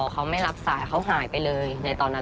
เขาไม่รับสายเขาหายไปเลยในตอนนั้น